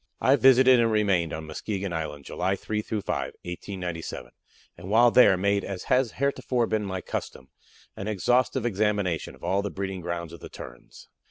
I visited and remained on Muskegon Island July 3 5, 1897, and while there made, as has heretofore been my custom, an exhaustive examination of all the breeding grounds of the Terns.